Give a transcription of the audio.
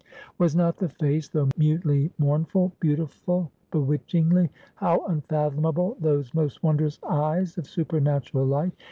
Was not the face though mutely mournful beautiful, bewitchingly? How unfathomable those most wondrous eyes of supernatural light!